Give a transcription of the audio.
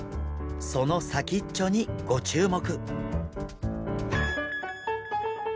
その先っちょにご注目！